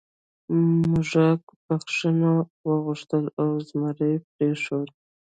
موږک بخښنه وغوښته او زمري پریښود.